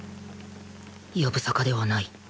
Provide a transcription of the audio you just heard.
やぶさかではない